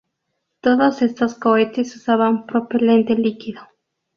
Todos estos cohetes usaban propelente líquido.